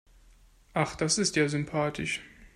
Ach, das ist ja sympathisch.